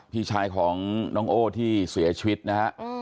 พี่ชายของน้องโอ้ที่เสียชีวิตนะฮะ